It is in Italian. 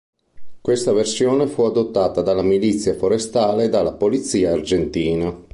Questa versione fu adottata dalla Milizia Forestale e dalla polizia argentina.